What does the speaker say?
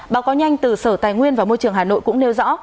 báo cáo nhanh từ sở tài nguyên và môi trường hà nội cũng nêu rõ